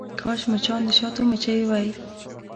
کاش مچان د شاتو مچۍ وی.